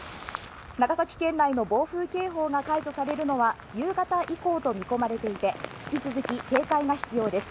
長崎県内の暴風警報が解除されるのは夕方以降と見込まれていて、引き続き警戒が必要です。